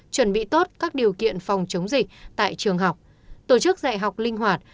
chuẩn bị tốt các điều kiện phòng chống dịch tại trường học tổ chức dạy học linh hoạt